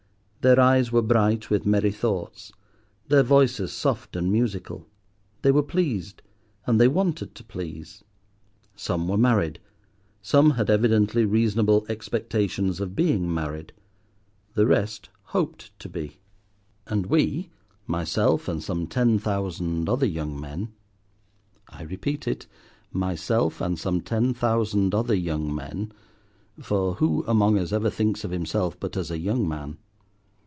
Their eyes were bright with merry thoughts; their voices soft and musical. They were pleased, and they wanted to please. Some were married, some had evidently reasonable expectations of being married; the rest hoped to be. And we, myself, and some ten thousand other young men. I repeat it—myself and some ten thousand other young men; for who among us ever thinks of himself but as a young man?